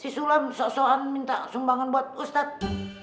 si sulam sok soan minta sumbangan buat ustadz